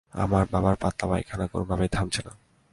আমার বাবার পাতলা-পায়খানা কোন ভাবেই থামছে না।